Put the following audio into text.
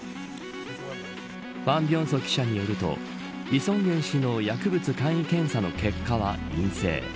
ファン・ビョンソ記者によるとイ・ソンギュン氏の薬物簡易検査の結果は陰性。